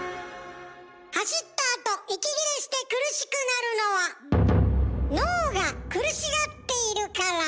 走ったあと息切れして苦しくなるのは脳が苦しがっているから。